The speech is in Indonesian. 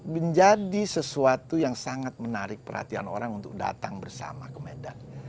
menjadi sesuatu yang sangat menarik perhatian orang untuk datang bersama ke medan